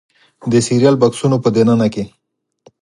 د سیریل بکسونو په دننه کې